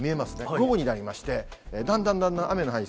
午後になりまして、だんだんだんだん雨の範囲